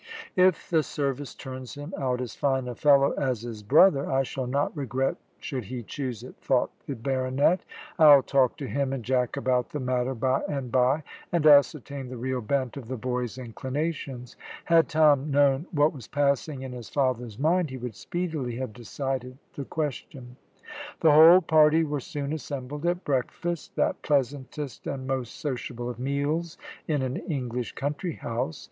"If the service turns him out as fine a fellow as his brother, I shall not regret should he choose it," thought the baronet. "I'll talk to him and Jack about the matter by and by, and ascertain the real bent of the boy's inclinations." Had Tom known what was passing in his father's mind he would speedily have decided the question. The whole party were soon assembled at breakfast that pleasantest and most sociable of meals in an English country house.